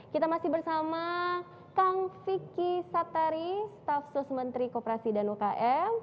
kita masih bersama kang vicky satari staff sosmentri koperasi dan ukm